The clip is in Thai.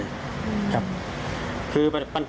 แล้วทำท่าเหมือนลบรถหนีไปเลย